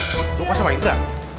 iya enggak tau pas sama indra